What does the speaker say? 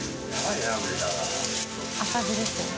田村）赤字ですよね。